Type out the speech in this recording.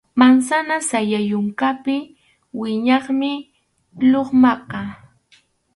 Mansana sayay yunkapi wiñaqmi lukmaqa.